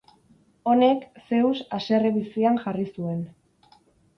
Honek, Zeus haserre bizian jarri zuen.